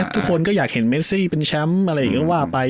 ทุกคนก็อยากเห็นเมซี่เป็นแชมป์อะไรอย่างนี้ก็ว่าไป